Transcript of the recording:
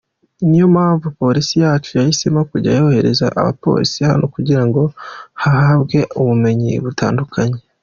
Niyo mpamvu Polisi yacu yahisemo kujya yohereza abapolisi hano kugira ngo bahabwe ubumenyi butandukanye.